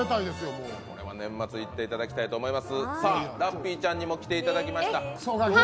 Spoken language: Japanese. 年末いっていただきたいと思います。